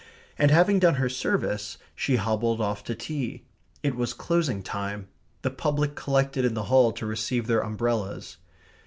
And having done her service, she hobbled off to tea. It was closing time. The public collected in the hall to receive their umbrellas.